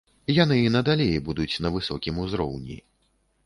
Яны і надалей будуць на высокім узроўні.